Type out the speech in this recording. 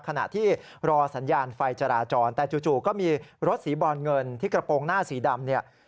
ขณะที่รอสัญญาณไฟจราจรแต่จู่ก็มีรถสีบรอนเงินที่กระโปรงหน้าสีดำเนี่ย